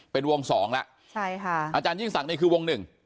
เป็นวง๒ล่ะอาจารย์ยิ่งศักดิ์นี่คือวง๑